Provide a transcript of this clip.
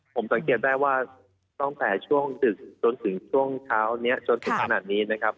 ผมสังเกตได้ว่าตั้งแต่ช่วงดึกจนถึงช่วงเช้านี้จนถึงขนาดนี้นะครับ